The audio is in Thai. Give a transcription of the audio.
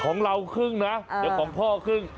ของเราครึ่งนะแต่ของพ่อกรึเปล่า